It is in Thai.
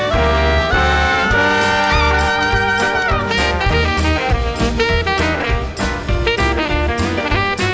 โปรดติดตามต่อไป